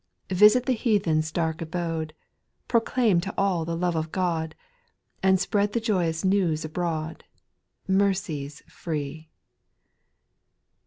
Visit the heathen's dark abode, Proclaim to all the love of God, And spread the joyous news abroad — Mercy 's free.